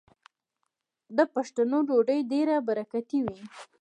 د پښتنو ډوډۍ ډیره برکتي وي.